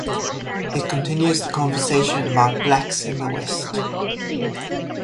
It continues the conversation about Blacks in the west.